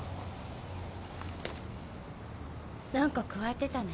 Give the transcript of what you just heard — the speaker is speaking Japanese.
何かくわえてたね。